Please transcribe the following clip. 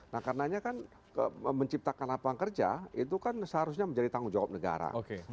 nah karenanya kan menciptakan lapangan kerja itu kan seharusnya menjadi tanggung jawab negara